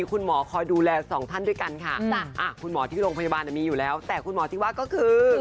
พยาบาลมีอยู่แล้วแต่คุณหมอที่ว่าก็คือ